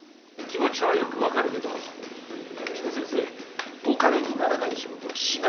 気持ちはよく分かるけどうちの先生お金にならない仕事はしない主義なの。